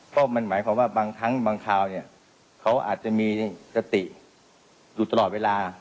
ก็มันหมายความว่าบางครั้งบางคราวเนี่ยเขาอาจจะมีสติอยู่ตลอดเวลา